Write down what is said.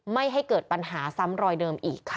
ไม่ให้เกิดปัญหาซ้ำรอยเดิมอีกค่ะ